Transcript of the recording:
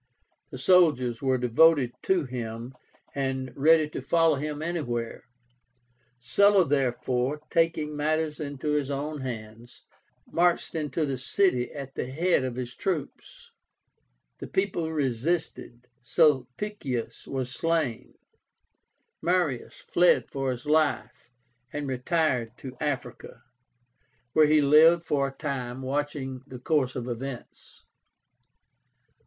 The soldiers were devoted to him, and ready to follow him anywhere. Sulla, therefore, taking matters into his own hands, marched into the city at the head of his troops. The people resisted; Sulpicius was slain; Marius fled for his life, and retired to Africa, where he lived for a time, watching the course of events.